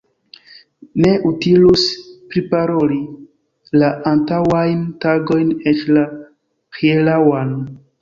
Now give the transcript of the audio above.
Ne utilus priparoli la antaŭajn tagojn, eĉ la hieraŭan.